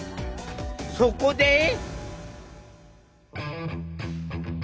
そこで。